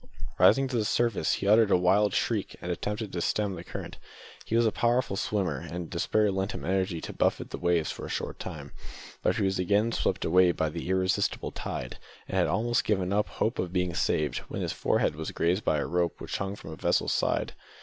Rising to the surface, he uttered a wild shriek, and attempted to stem the current. He was a powerful swimmer, and despair lent him energy to buffet the waves for a short time; but he was again swept away by the irresistible tide, and had almost given up hope of being saved, when his forehead was grazed by a rope which hung from a vessel's side.